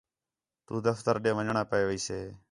تَو دفتر ݙے ون٘ڄݨاں پئے ویسے